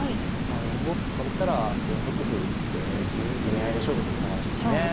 まあ４五歩突かれたら４六歩打って攻め合いで勝負ってことなんでしょうかね。